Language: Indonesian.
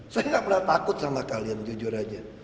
saya nggak pernah takut sama kalian jujur aja